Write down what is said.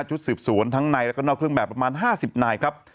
ชุดสืบสวนทั้งในแล้วก็นอกเครื่องแบบประมาณ๕๐นายครับ